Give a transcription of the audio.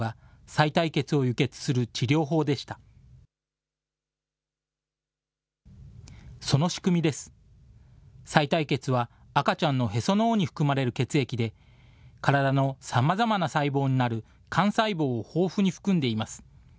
さい帯血は赤ちゃんのへその緒に含まれる血液で、体のさまざまな細胞になる幹細胞を豊富に含んでいます。